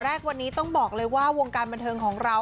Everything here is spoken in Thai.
แรกวันนี้ต้องบอกเลยว่าวงการบันเทิงของเรา